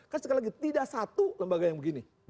kan sekali lagi tidak satu lembaga yang begini